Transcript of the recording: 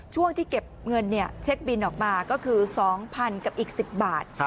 ช่วงที่เก็บเงินเช็คบินออกมาก็คือ๒๐๐๐กับอีก๑๐บาท